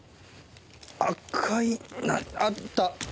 赤いあった！